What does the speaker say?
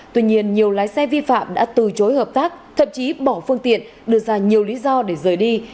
tuy nhiên nhiều lái xe vi phạm đã từ chối hợp tác thậm chí bỏ phương tiện đưa ra nhiều lý do để rời đi